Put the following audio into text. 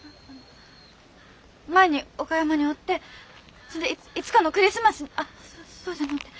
前に岡山におってそんでいつかのクリスマスにあっそそうじゃのうて。